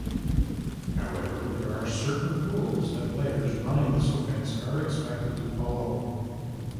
However, there are certain rules that players running this offense are expected to follow.